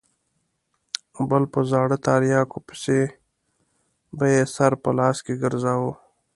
بل په زاړه تریاکو پسې به یې سر په لاس کې ګرځاوه.